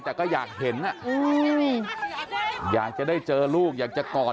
อยากจะเห็นว่าลูกเป็นยังไงอยากจะเห็นว่าลูกเป็นยังไง